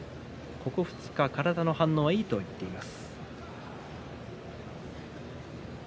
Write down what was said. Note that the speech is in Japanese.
ここ２日、体の反応はいいと言っています。